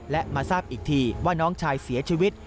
และมาทราบอีกทีว่าน้องชายเสียชีวิต